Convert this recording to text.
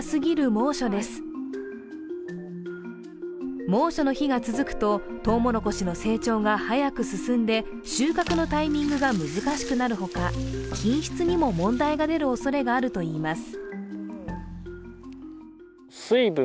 猛暑の日が続くととうもろこしの成長が早く進んで収穫のタイミングが難しくなるほか品質にも問題が出るおそれがあるといいます。